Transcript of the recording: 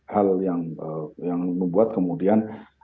hal yang membuat kemudian